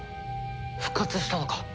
復活したのか！